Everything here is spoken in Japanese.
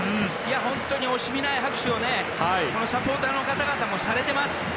本当に、惜しみない拍手をねサポーターの方々もされてます。